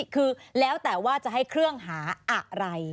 คือแล้วแต่ว่าจะให้เครื่องหาอะไร